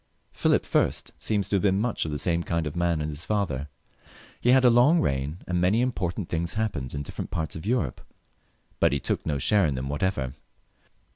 Philip I. seems to have been much the same kind of man as his father. He had a long reign, and many im portant things happened in different parts of Europe, but he took no share in them whatever.